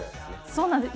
そうなんです。